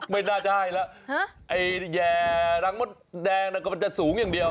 ไม่น่าจะได้แล้วไอเย่น้ำมดแดงก็จะสูงอย่างเดียว